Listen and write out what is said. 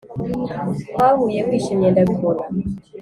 twahuye wishimye ndabibona